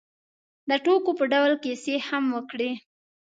د ټوکو په ډول کیسې هم وکړې.